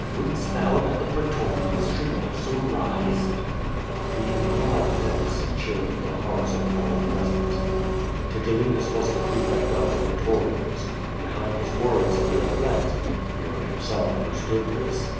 Wouldst thou that the pretorians should also rise?" The implied menace chilled the hearts of all present. Tigellinus was the prefect of the pretorians. Behind his words lay a threat. Nero himself understood this.